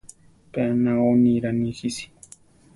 Pe anao niraa nijisi.